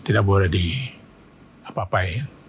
tidak boleh di apa apain